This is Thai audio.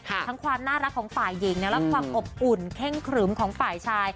ทั้งความน่ารักของฝ่ายหญิงและความอบอุ่นเข้งขรึมของฝ่ายชาย